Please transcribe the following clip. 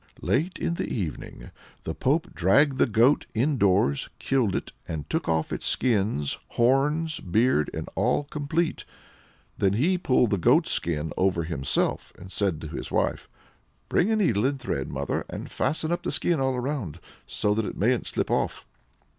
Late in the evening the pope dragged the goat indoors, killed it, and took off its skin horns, beard, and all complete. Then he pulled the goat's skin over himself and said to his wife: "Bring a needle and thread, mother, and fasten up the skin all round, so that it mayn't slip off."